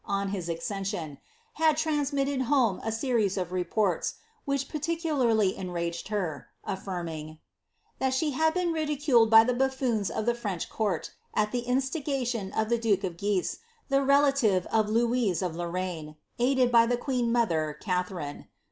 on his acces 00, had transmitted home a series of reports, which particularly en fed her; affirming, ^that she had been ridiculed by the buffoons of le French court, at the instigation of the duke of Guise, the relative r Looise of Lorraine, aided by the queen mother, Catherine.